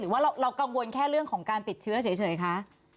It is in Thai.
ว่าเรากังวลแค่เรื่องของการติดเชื้อเฉยคะ